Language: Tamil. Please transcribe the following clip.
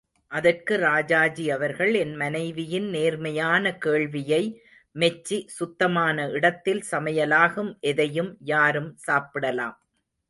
அதற்கு ராஜாஜி அவர்கள் என் மனைவியின் நேர்மையான கேள்வியை மெச்சி சுத்தமான இடத்தில் சமையலாகும் எதையும் யாரும் சாப்பிடலாம்.